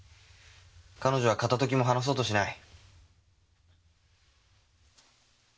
彼女は片時も離そうとしない。